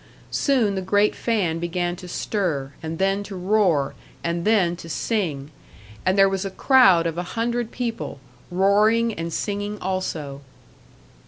Soon the great fan began to stir, and then to roar, and then to sing; and there was a crowd of a hundred people, roaring and singing also.